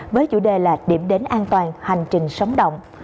với chủ đề là điểm đến an toàn hành trình sống động